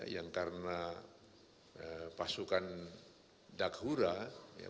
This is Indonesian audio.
yang karena pasukan dagura